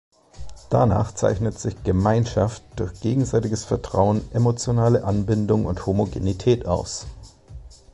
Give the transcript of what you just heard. Danach zeichnet sich "Gemeinschaft" durch gegenseitiges Vertrauen, emotionale Anbindung und Homogenität aus.